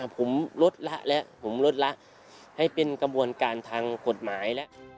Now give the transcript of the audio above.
ผมลดละให้เป็นกระบวนการทางกฎหมาย